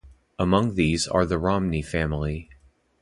Among these are the Romney family.